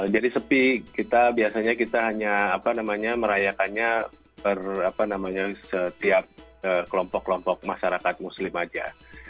jadi sepi kita biasanya kita hanya merayakannya setiap kelompok kelompok masyarakat muslim saja